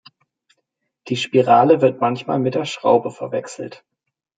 Die Spirale wird manchmal mit der Schraube verwechselt.